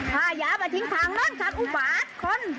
ถ้าอย่ามาทิ้งทางนั้นฉันอุบาทคน